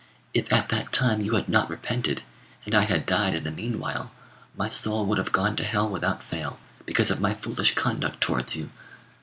If at that time you had not repented, and I had died in the meanwhile, my soul would have gone to hell without fail, because of my foolish conduct towards you.